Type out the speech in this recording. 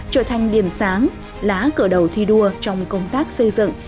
trở thành điểm sáng lá cửa đầu thi đua trong công tác xây dựng